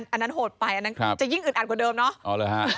อันนั้นโหดไปอันนั้นจะยิ่งอึดอัดกว่าเดิมเนาะ